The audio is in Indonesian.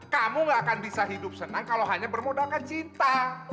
kamu gak akan bisa hidup senang kalau hanya bermodalkan cinta